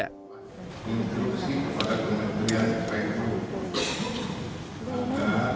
instruksi kepada kementerian pupr untuk mencari data kementerian pupr untuk kejadianan yang terkait dengan prasentur